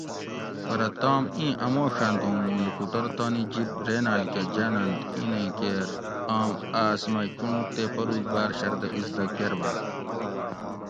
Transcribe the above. پرہ تام اِیں اموڛنت اُوں مُوں لُکوٹور تانی جِب ریناۤلکۤہ جاۤننت اِیںیں کیر آم آۤس مئ چُنڑوگ تے پروگ باۤر شردہ اِزدہ کۤرباۤں